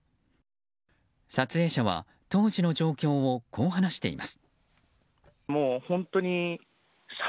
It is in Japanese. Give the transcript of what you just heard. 撮影者は当時の状況をこう話しています。